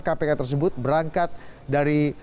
kpk tersebut berangkat dari